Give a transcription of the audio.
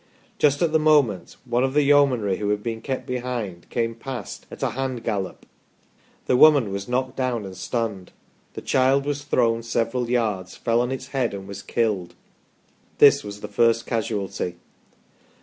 Just at the moment, one of the Yeomanry who had been kept behind, came past " at a hand gallop ". The woman was knocked down and stunned ; the child was thrown several yards, fell on its head, and was killed. This was the first casualty.